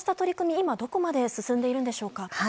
今、どこまで進んでいるんでしょうか。